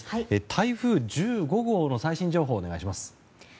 台風１５号の最新情報をお願いします。